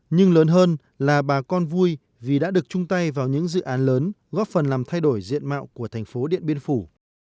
nhưng lớn hơn là bà con vui vì đã được chung tay vào những dự án lớn góp phần làm thay đổi diện mạo của thành phố điện biên phủ